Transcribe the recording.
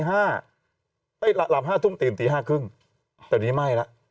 หลับ๕ทุ่มตื่นตี๕๓๐แต่นี้ไหม้แล้ว